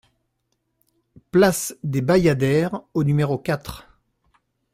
Place des Bayadères au numéro quatre